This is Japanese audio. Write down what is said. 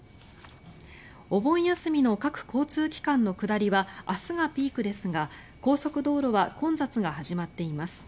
お盆休みの各交通機関の下りは明日がピークですが高速道路は混雑が始まっています。